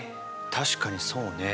確かにそうね。